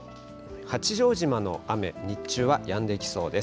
八丈島の雨、日中はやんできそうです。